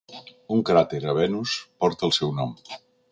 Un cràter a Venus porta el seu nom.